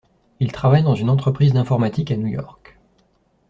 Il travaille dans une entreprise d’informatique à New York.